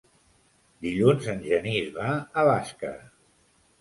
Dilluns en Genís va a Bàscara.